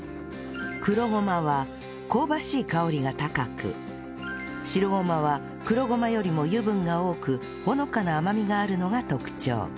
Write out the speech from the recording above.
黒ごまは香ばしい香りが高く白ごまは黒ごまよりも油分が多くほのかな甘みがあるのが特徴